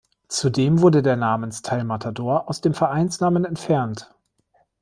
Zudem wurde der Namensteil Matador aus dem Vereinsnamen entfernt.